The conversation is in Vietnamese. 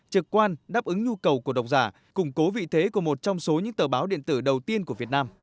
trực quan đáp ứng nhu cầu của độc giả củng cố vị thế của một trong số những tờ báo điện tử đầu tiên của việt nam